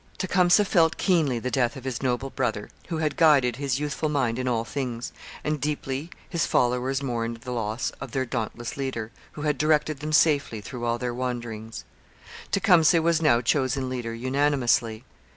Tecumseh felt keenly the death of his noble brother, who had guided his youthful mind in all things, and deeply his followers mourned the loss of their dauntless leader, who had directed them safely through all their wanderings. Tecumseh was now chosen leader unanimously.